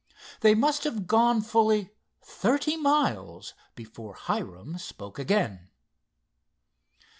They must have gone fully thirty miles before Hiram spoke again.